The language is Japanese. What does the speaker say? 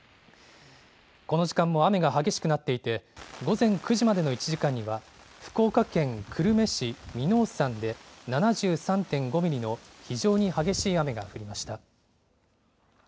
この時間も雨が激しくなっていて、午前９時までの１時間には、福岡県久留米市耳納山で７３．５ミリの非常に激しい雨が降りました。